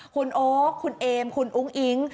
คุณโอ๊คคุณเอมคุณอุ้งอิ๊ง